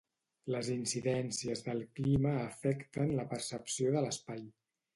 Les incidències del clima afecten la percepció de l'espai.